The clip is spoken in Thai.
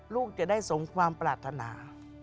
ลูกจะได้สมความปรารถนา